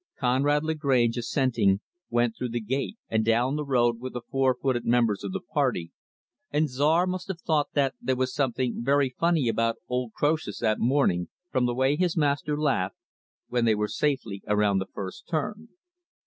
Conrad Lagrange, assenting, went through the gate and down the road, with the four footed members of the party; and Czar must have thought that there was something very funny about old Croesus that morning, from the way his master laughed; when they were safely around the first turn.